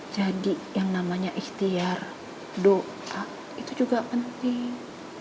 yang namanya ikhtiar doa itu juga penting